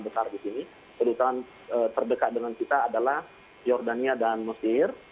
ketika terdekat dengan kita adalah jordania dan mesir